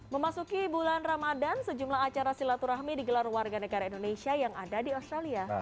memasuki bulan ramadan sejumlah acara silaturahmi digelar warga negara indonesia yang ada di australia